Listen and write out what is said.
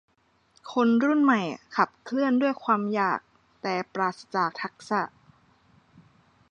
คนรุ่นใหม่ขับเคลื่อนด้วยความอยาก แต่ปราศจากทักษะ